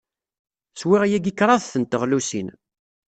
Swiɣ yagi kraḍt n teɣlusin.